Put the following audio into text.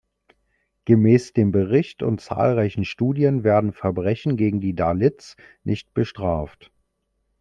Gemäß dem Bericht und zahlreichen Studien werden Verbrechen gegen die Dalits nicht bestraft.